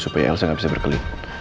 supaya elsa gak bisa berkelit